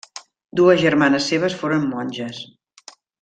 Dues germanes seves foren monges.